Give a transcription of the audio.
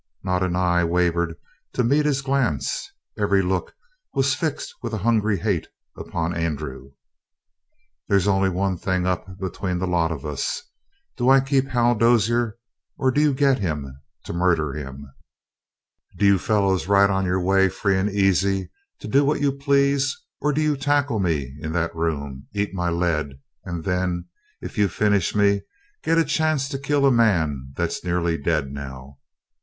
Not an eye wavered to meet his glance; every look was fixed with a hungry hate upon Andrew. "There's only one thing up between the lot of us: Do I keep Hal Dozier, or do you get him to murder him? Do you fellows ride on your way free and easy, to do what you please, or do you tackle me in that room, eat my lead, and then, if you finish me, get a chance to kill a man that's nearly dead now?